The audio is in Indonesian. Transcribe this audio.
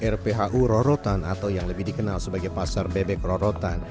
rphu rorotan atau yang lebih dikenal sebagai pasar bebek rorotan